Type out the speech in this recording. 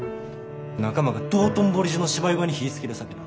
仲間が道頓堀中の芝居小屋に火つけるさけな。